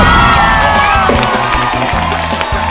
ว้าว